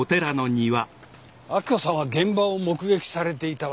明子さんは現場を目撃されていたわけですが。